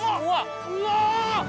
うわ！